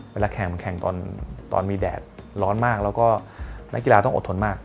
เวลาแข่งมันแข่งตอนมีแดดร้อนมากแล้วก็นักกีฬาต้องอดทนมาก